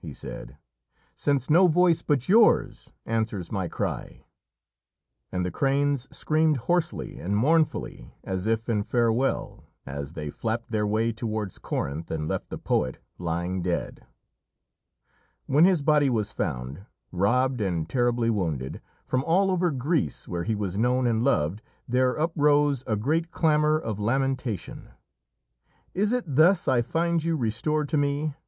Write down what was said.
he said, "since no voice but yours answers my cry!" And the cranes screamed hoarsely and mournfully as if in farewell, as they flapped their way towards Corinth and left the poet lying dead. When his body was found, robbed and terribly wounded, from all over Greece, where he was known and loved, there uprose a great clamour of lamentation. "Is it thus I find you restored to me?"